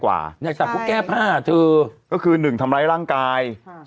ก็คือหนึ่งทำร้ายร่างกาย